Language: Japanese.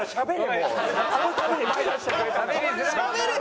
そのために前出してくれたんだから。